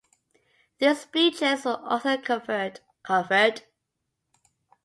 These bleachers were also covered.